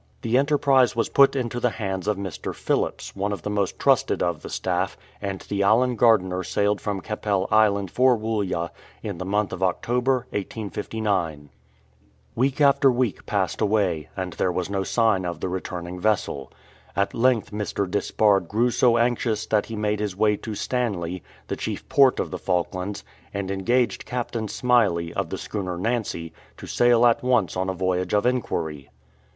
The enterprise was put into the hands of Mr. Phillips, one of the most trusted of the staff, and the Allen Gardiner sailed from Keppel Island for Woollya in the month of October, 1859. Week after week passed away, and there was no sign of the returning vessel. At length Mr. Despard grew so anxious that he made his way to Stanley, the chief port of the Falklands, and engaged Captain Smyley, of the schooner Nancy^ to sail at once on a voyage of inquiry.